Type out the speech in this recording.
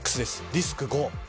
リスク５。